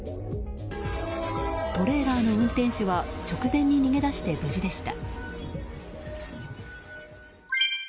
トレーラーの運転手は直前に逃げ出して無事でした。